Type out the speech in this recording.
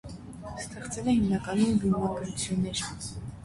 Ստեղծել է հիմնականում վիմագրություններ։